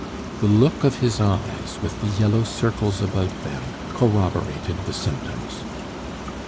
The look of his eyes, with the yellow circles about them, corroborated the symptoms.